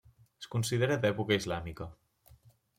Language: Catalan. Es considera d'època islàmica.